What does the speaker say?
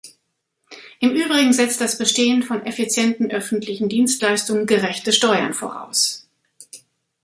Im Übrigen setzt das Bestehen von effizienten öffentlichen Dienstleistungen gerechte Steuern voraus.